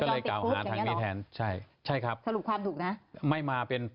ก็เลยกล่าวหาทางนี้แทนใช่ใช่ครับสรุปความถูกนะไม่มาเป็น